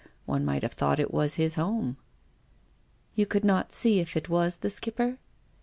One might have thought it was his home." "You could not see if it was the Skipper?"